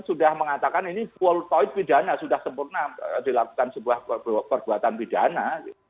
sudah mengatakan ini kultoid pidana sudah sempurna dilakukan sebuah perbuatan pidana